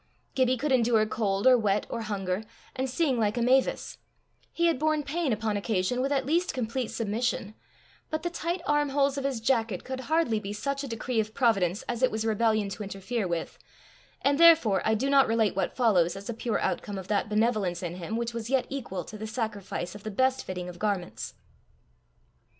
Gibbie could endure cold or wet or hunger, and sing like a mavis; he had borne pain upon occasion with at least complete submission; but the tight arm holes of his jacket could hardly be such a decree of Providence as it was rebellion to interfere with; and therefore I do not relate what follows, as a pure outcome of that benevolence in him which was yet equal to the sacrifice of the best fitting of garments.